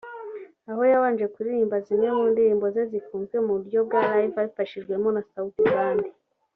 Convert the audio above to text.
aho yabanje kuririmba zimwe mu ndirimbo ze zikunzwe mu buryo bwa live abifashijwemo na Sauti band